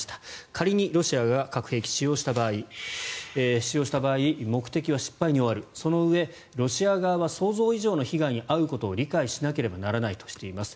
仮にロシアが核兵器を使用した場合目的は失敗に終わるそのうえ、ロシア側は想像以上の被害に遭うことを理解しなければならないとしています。